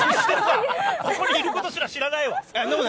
ここにいることすら知らないわ！